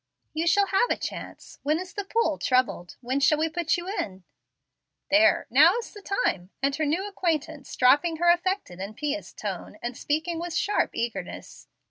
"You shall have a chance. When is the pool troubled? When shall we put you in?" "There! now is the time," said her new acquaintance, dropping her affected and pious tone, and speaking with sharp eagerness.